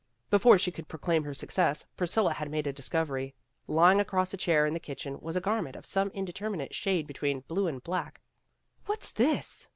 Before she could proclaim her success, Pris cilla had made a discovery. Lying across a chair in the kitchen was a garment of some indeterminate shade between blue and black. "What's this!"